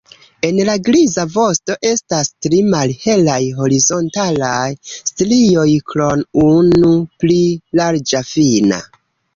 En la griza vosto estas tri malhelaj horizontalaj strioj krom unu pli larĝa fina.